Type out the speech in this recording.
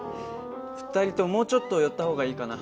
２人とももうちょっと寄った方がいいかな。